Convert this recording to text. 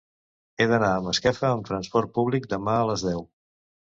He d'anar a Masquefa amb trasport públic demà a les deu.